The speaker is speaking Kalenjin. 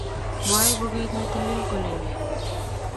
mwoe bukuit ne tilil kole ne?